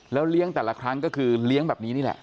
เลี้ยงแต่ละครั้งก็คือเลี้ยงแบบนี้นี่แหละ